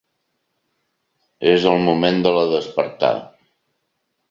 És el moment de la despertà.